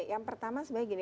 yang pertama sebenarnya gini